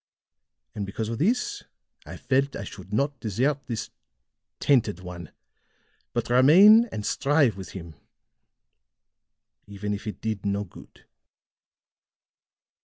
And because of this I felt that I should not desert this tainted one, but remain and strive with him, even if it did no good."